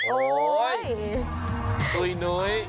โอ้ยตุ๊ยนุ้ย